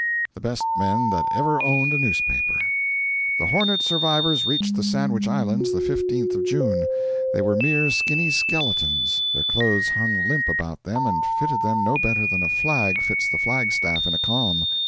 The best men that ever owned a newspaper. The 'Hornet' survivors reached the Sandwich Islands the 15th of June. They were mere skinny skeletons; their clothes hung limp about them and fitted them no better than a flag fits the flag staff in a calm.